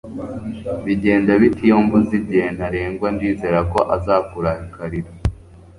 bigenda bite iyo mbuze igihe ntarengwa? ndizera ko azakurakarira